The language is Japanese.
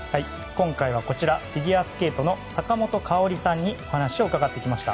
今回はフィギュアスケートの坂本花織さんにお話を伺ってきました。